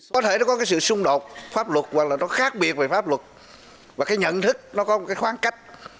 có thể nó có cái sự xung đột pháp luật hoặc là nó khác biệt về pháp luật và cái nhận thức nó có một cái khoảng cách